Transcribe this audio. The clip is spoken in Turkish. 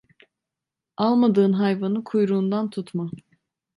Almadığın hayvanı kuyruğundan tutma.